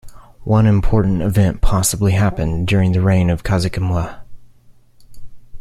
One important event possibly happened during the reign of Khasekhemwy.